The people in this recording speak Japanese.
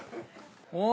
お。